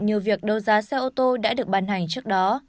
như việc đấu giá xe ô tô đã được ban hành trước đó